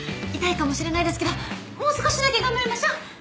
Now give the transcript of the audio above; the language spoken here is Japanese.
痛いかもしれないですけどもう少しだけ頑張りましょう。